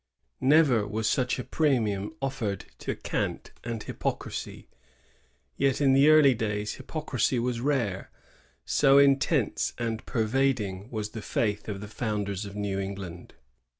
Never was such a premium offered to cant and hypocrisy; yet in the early days hypocrisy was rare, so intense and pervading was the faith of the founders of New England.